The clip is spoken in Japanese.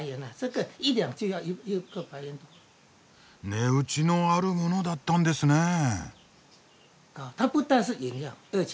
値打ちのあるものだったんですねえ。